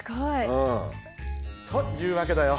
うん。というわけだよ。